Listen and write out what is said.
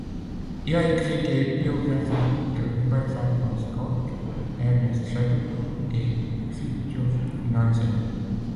Il a écrit des biographies de Robert Falcon Scott, Ernest Shackleton et Fridtjof Nansen.